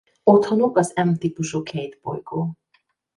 Otthonuk az M típusú Cait bolygó.